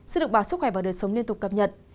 xin được báo sức khỏe và đời sống liên tục cập nhật